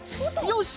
よし！